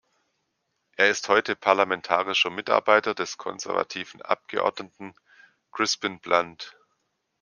Er ist heute parlamentarischer Mitarbeiter des konservativen Abgeordneten Crispin Blunt.